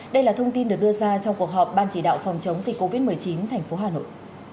đây là thông tin được đưa ra trong cuộc họp ban chỉ đạo phòng chống dịch covid một mươi chín thành phố hà nội